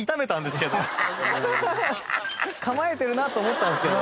構えてるなと思ったんですけど。